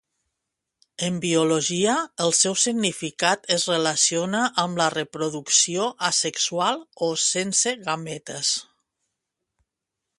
En biologia, el seu significat es relaciona amb la reproducció asexual o sense gàmetes.